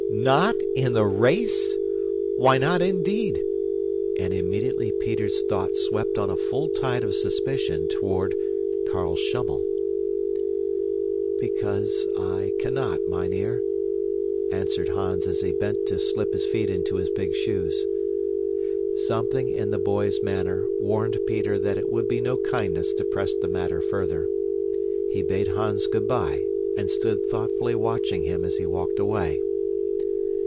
"Not in the race! Why not, indeed!" And immediately Peter's thoughts swept on a full tide of suspicion toward Carl Schummel. "Because I cannot, mynheer," answered Hans as he bent to slip his feet into his big shoes. Something in the boy's manner warned Peter that it would be no kindness to press the matter further. He bade Hans good bye, and stood thoughtfully watching him as he walked away.